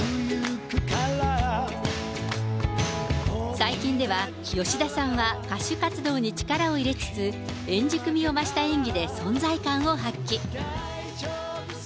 最近では、吉田さんは歌手活動に力を入れつつ、円熟味を増した演技で存在感を発揮。